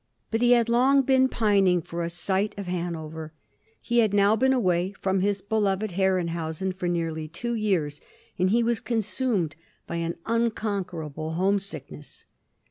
But he had long been pining for a sight of Hanover. He had now been away from his beloved Herrenhausen for nearly two years, and he was con sumed by an unconquerable home sickness.